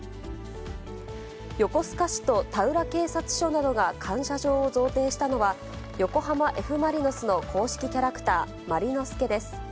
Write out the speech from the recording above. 横須賀市と田浦警察署などが感謝状を贈呈したのは、横浜Ｆ・マリノスの公式キャラクター、マリノスケです。